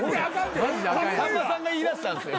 さんまさんが言いだしたんですよ。